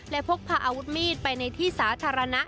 และพกพาอาวุธมีดไปในที่สาธารณะ